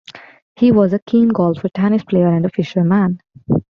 He was a keen golfer, tennis player and fisherman.